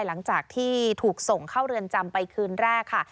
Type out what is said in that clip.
หลังจากที่ถูกส่งเข้าเรือนจำไปคืนแรกค่ะ